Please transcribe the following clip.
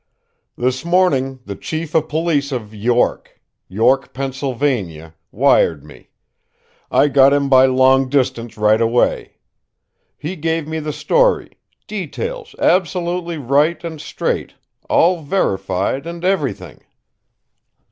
"This morning the chief of police of York York, Pennsylvania wired me. I got him by long distance right away. He gave me the story, details absolutely right and straight, all verified and everything.